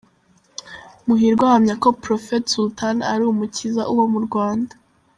Muhirwa ahamya ko Prophet Sultan ari umukiza uba mu Rwanda.